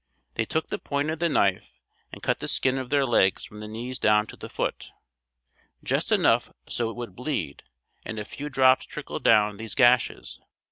They took the point of the knife and cut the skin of their legs from the knees down to the foot, just enough so it would bleed and a few drops trickle down these gashes.